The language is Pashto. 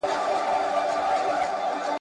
په لویه جرګه کي د علماوو استازی څوک دی؟